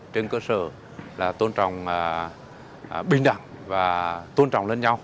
trên cơ sở tôn trọng bình đẳng và tôn trọng lẫn nhau